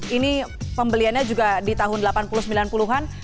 ini pembeliannya juga di tahun delapan puluh sembilan puluh an